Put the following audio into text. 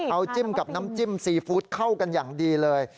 เอาจิ้มกับน้ำจิ้มซีฟู้ดเข้ากันอย่างดีเลย